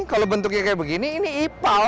kalau bentuknya kayak begini ini ipal